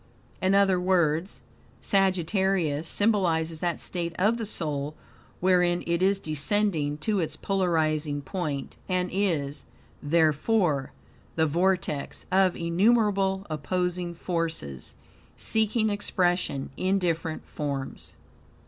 In other words, Sagittarius symbolizes that state of the soul wherein it is descending to its polarizing point, and is, therefore, the vortex of innumerable opposing forces, seeking expression in different forms.